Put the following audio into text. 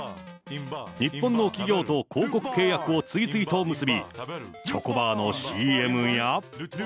日本の企業と広告契約を次々と結び、チョコバーのＣＭや。